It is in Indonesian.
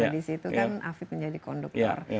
di situ kan afib menjadi konduktor